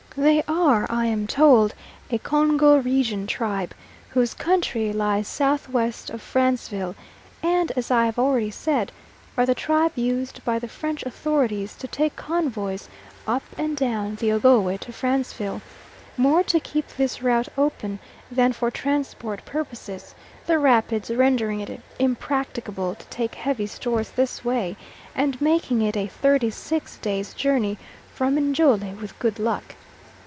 They are, I am told, a Congo region tribe, whose country lies south west of Franceville, and, as I have already said, are the tribe used by the French authorities to take convoys up and down the Ogowe to Franceville, more to keep this route open than for transport purposes; the rapids rendering it impracticable to take heavy stores this way, and making it a thirty six days' journey from Njole with good luck.